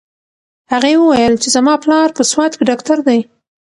هغې وویل چې زما پلار په سوات کې ډاکټر دی.